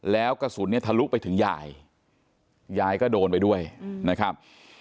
แล้วกระสุนเนี่ยทะลุไปถึงยายยายก็โดนไปด้วยนะครับ